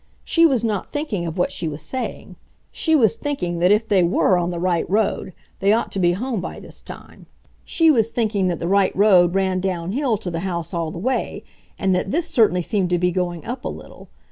She was not thinking of what she was saying. She was thinking that if they WERE on the right road they ought to be home by this time. She was thinking that the right road ran down hill to the house all the way, and that this certainly seemed to be going up a little.